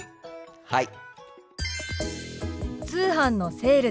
はい。